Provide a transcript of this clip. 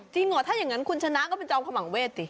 เหรอถ้าอย่างนั้นคุณชนะก็เป็นจอมขมังเวทสิ